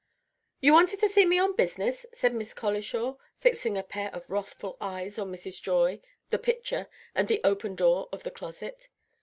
"You wanted to see me on business?" said Miss Colishaw, fixing a pair of wrathful eyes on Mrs. Joy, the pitcher, and the open door of the closet.